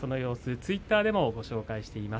ツイッターでも紹介しています。